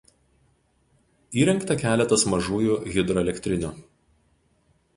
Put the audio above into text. Įrengta keletas mažųjų hidroelektrinių.